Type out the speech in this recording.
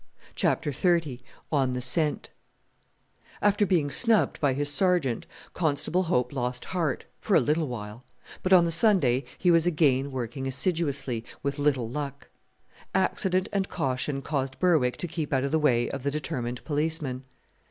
CHAPTER XXX ON THE SCENT After being snubbed by his Sergeant Constable Hope lost heart for a little while; but on the Sunday he was again working assiduously, with little luck. Accident and caution caused Berwick to keep out of the way of the determined policeman.